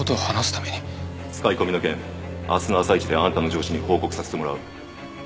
使い込みの件明日の朝イチであんたの上司に報告させてもらう。